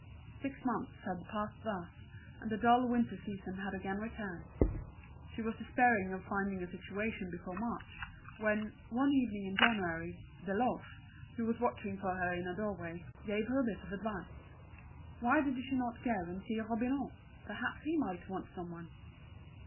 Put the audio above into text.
Six months had passed thus, and the dull winter season had again returned. She was despairing of finding a situation before March, when, one evening in January, Deloche, who was watching for her in a doorway, gave her a bit of advice. Why did she not go and see Robineau; perhaps he might want some one?